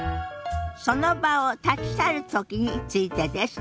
その場を立ち去るときについてです。